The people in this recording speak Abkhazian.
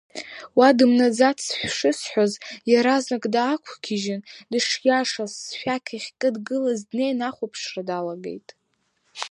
Уа дымнаӡац шысҳәоз, иаразнак даақәгьежьын, дышиашаз сшәақь ахькыдгылаз днеины ахәаԥшра далагеит.